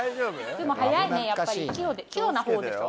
でも早いねやっぱり器用なほうでしょ？